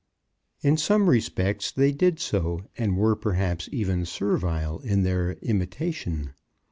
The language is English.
In some respects they did so, and were perhaps even servile in their imitation.